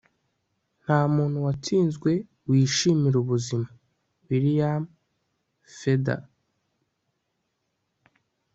nta muntu watsinzwe wishimira ubuzima. - william feather